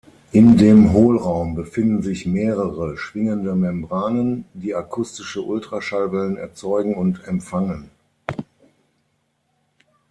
In dem Hohlraum befinden sich mehrere schwingende Membranen, die akustische Ultraschallwellen erzeugen und empfangen.